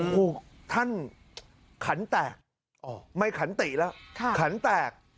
โอ้โหท่านขันแตกไม่ขันติแล้วขันแตก